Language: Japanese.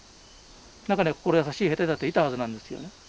中には心優しい兵隊だっていたはずなんですよね。